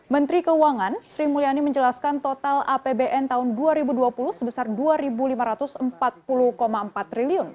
menteri keuangan sri mulyani menjelaskan total apbn tahun dua ribu dua puluh sebesar rp dua lima ratus empat puluh empat triliun